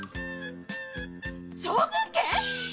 将軍家っ